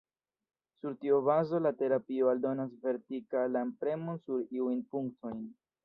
Sur tiu bazo la terapio aldonas vertikalan premon sur iujn punktojn.